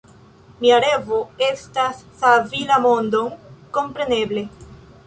Mia revo estas savi la mondon, kompreneble!